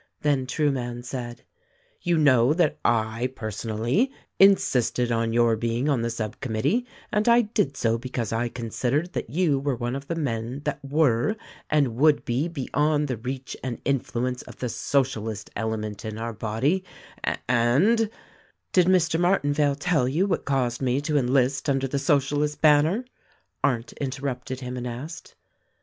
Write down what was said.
Then Trueman said, "You know that I, personally, insisted on your being on the sub commit tee, and I did so because I considered that you were one of the men that were and would be beyond the reach and in fluence of the Socialist element in our body — and, " "Did Mr. Martinvale tell you what caused me to enlist under the Socialist banner?" Arndt interrupted him and asked.